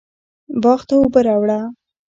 باغ ته اوبه راواړوه